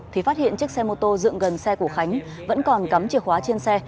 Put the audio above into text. thì phát hiện chiếc xe mô tô dựng gần xe của khánh vẫn còn cắm chìa khóa trên xe